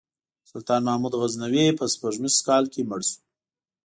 سلطان محمود غزنوي په سپوږمیز کال کې مړ شو.